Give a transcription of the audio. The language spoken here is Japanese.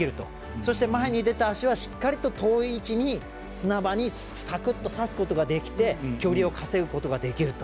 そして、前に出た足はしっかりと遠い位置に砂場に投げ出すことができて距離を稼ぐことができると。